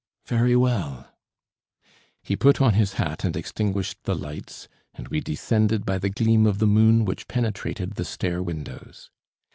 "Very well." He put on his hat and extinguished the lights, and we descended by the gleam of the moon which penetrated the stair windows.